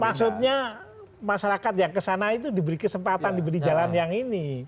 maksudnya masyarakat yang kesana itu diberi kesempatan diberi jalan yang ini